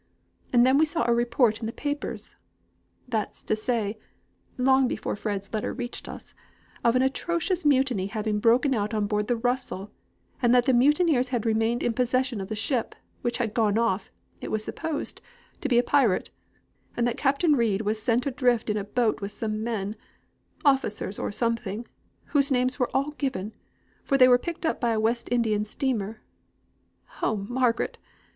And then we saw a report in the papers that's to say, long before Fred's letter reached us of an atrocious mutiny having broken out on board the Russell, and that the mutineers had remained in possession of the ship, which had gone off, it was supposed, to be a pirate; and that Captain Reid was sent adrift in a boat with some men officers or something whose names were all given, for they were picked up by a West Indian steamer. Oh, Margaret!